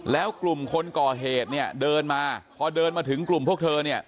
แล้วกลุ่มคนก่อเหตุเดินมาพอเดินมาถึงกลุ่มพวกเธอ